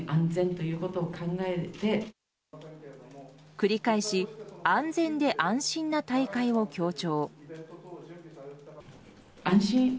繰り返し安全で安心な大会を強調。